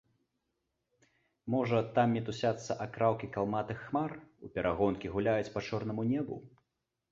Можа, там мітусяцца акраўкі калматыя хмар, у перагонкі гуляюць па чорнаму небу?